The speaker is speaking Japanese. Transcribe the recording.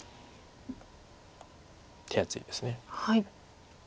手厚いです。